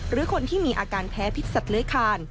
หรือคนที่มีอาการแพ้พิษสัตว์เลื้อยคาน